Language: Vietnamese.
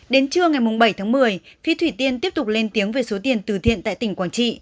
đến trưa ngày bảy tháng một mươi phía thủy tiên tiếp tục lên tiếng về số tiền tử thiện tại tỉnh quảng trị